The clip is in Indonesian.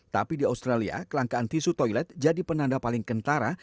tapi di australia kelangkaan tisu toilet jadi penanda paling kentara